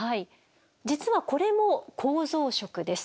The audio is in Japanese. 実はこれも構造色です。